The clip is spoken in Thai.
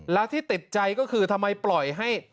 แล้วที่ติดใจก็คือทำไมปล่อยให้